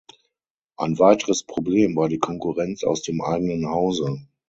Ein weiteres Problem war die Konkurrenz aus dem eigenen Hause.